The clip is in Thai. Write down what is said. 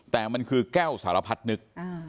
แต่มันคือแก้วสารพัดนึก